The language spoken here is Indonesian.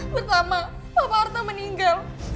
pertama papa harta meninggal